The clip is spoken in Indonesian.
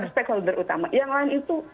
spek holder utama yang lain itu